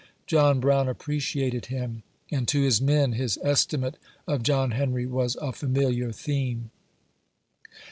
John Brown appreciated him, and to his men, his estimate of John Henry was a familiar theme.